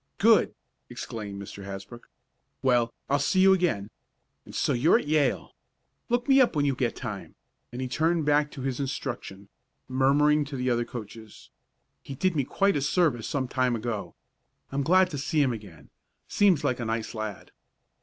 "Good!" exclaimed Mr. Hasbrook. "Well, I'll see you again. And so you're at Yale? Look me up when you get time," and he turned back to his instruction, murmuring to the other coaches: "He did me quite a service some time ago. I'm glad to see him again. Seems like a nice lad."